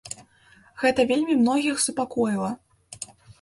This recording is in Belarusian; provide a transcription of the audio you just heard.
Гэта вельмі многіх супакоіла.